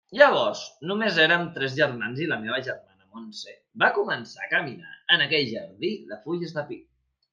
Llavors només érem tres germans i la meva germana Montse va començar a caminar en aquell jardí de fulles de pi.